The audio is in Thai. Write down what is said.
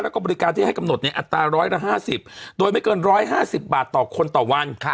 แล้วก็บริการที่ให้กำหนดในอัตราร้อยละ๕๐โดยไม่เกิน๑๕๐บาทต่อคนต่อวัน